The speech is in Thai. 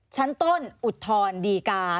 ชั้นต้นอุดทอนดีกัน